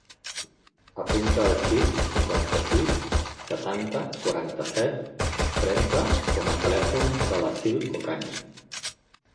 Apunta el sis, cinquanta-sis, setanta, quaranta-set, trenta com a telèfon de l'Assil Ocaña.